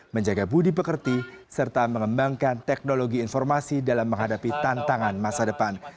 menjaga budi pekerti serta mengembangkan teknologi informasi dalam menghadapi tantangan masa depan